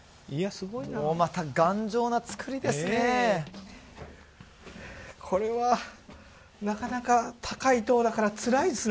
すごいなもうまたねえこれはなかなか高い塔だからつらいですね